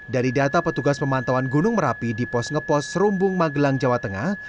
dari data petugas pemantauan gunung merapi di pos ngepos serumbung magelang jawa tengah